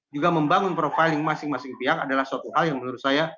juga membangun profiling masing masing pihak adalah suatu hal yang menurut saya